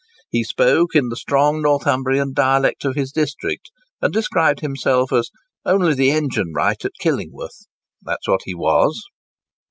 He spoke in the strong Northumbrian dialect of his district, and described himself as 'only the engine wright at Killingworth; that's what he was.